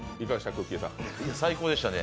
最高でしたね。